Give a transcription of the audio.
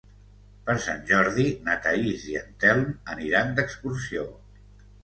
Per Sant Jordi na Thaís i en Telm aniran d'excursió.